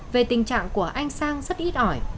về tình trạng của anh sang rất ít ỏi